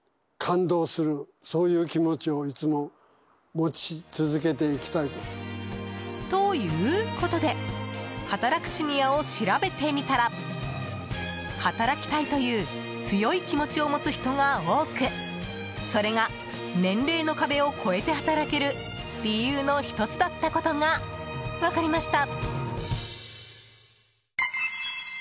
何歳まで働きますか？ということで働くシニアを調べてみたら働きたいという強い気持ちを持つ人が多くそれが年齢の壁を超えて働ける理由の一つだったことが分かりました。